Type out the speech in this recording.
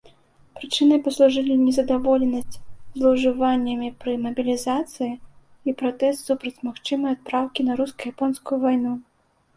Прычынай паслужылі незадаволенасць злоўжываннямі пры мабілізацыі і пратэст супраць магчымай адпраўкі на руска-японскую вайну.